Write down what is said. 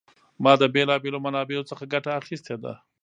ما د بېلا بېلو منابعو څخه ګټه اخیستې ده.